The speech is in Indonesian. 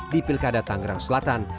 di pilkada tangerang selatan